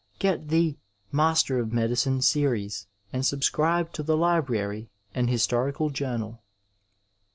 Qet the " Masters of Medicine ^ Series, and subscribe to the lAbrary and Historical Journal.